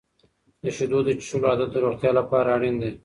د شیدو د څښلو عادت د روغتیا لپاره اړین دی.